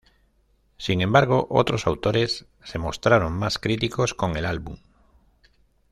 Sin embargo, otros autores se mostraron más críticos con el álbum.